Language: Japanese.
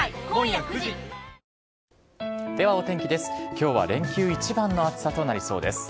きょうは連休一番の暑さとなりそうです。